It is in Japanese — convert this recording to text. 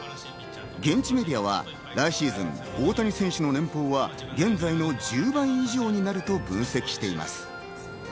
現地メディアは来シーズン、大谷選手の年俸は現在の１０倍以上になると分析しています。